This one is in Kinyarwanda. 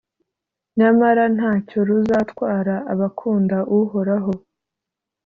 Nyamara nta cyo ruzatwara abakunda Uhoraho,